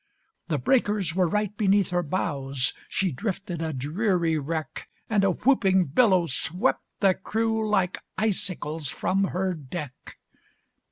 The breakers were right beneath her bows, She drifted a dreary wreck, And a whooping billow swept the crew Like icicles from her deck.